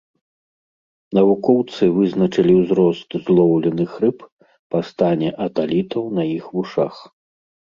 Навукоўцы вызначалі ўзрост злоўленых рыб па стане аталітаў на іх вушах.